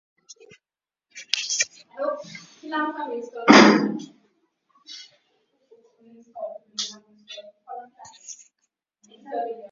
Nchini Uganda, ambapo bei ya petroli imeongezeka kufikia dola kumi na nne kwa lita